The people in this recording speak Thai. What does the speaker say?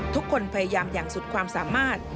ทุกคนพยายามอย่างสุดความสามารถ